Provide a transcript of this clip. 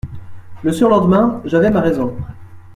Le surlendemain, j'avais ma raison.